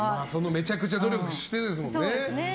めちゃくちゃ努力してですもんね。